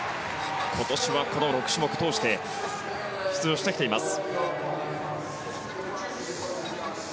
今年は、６種目通して出場してきています。